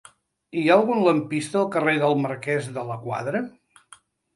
Hi ha algun lampista al carrer del Marquès de la Quadra?